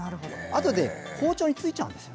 あとで包丁についちゃうんです。